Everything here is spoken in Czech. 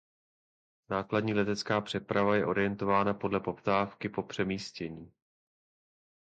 Nákladní letecká přeprava je orientována podle poptávky po přemístění.